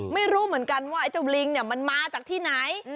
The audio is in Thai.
ไม่รู้เหมือนกันว่าไอ้เจ้าลิงเนี่ยมันมาจากที่ไหน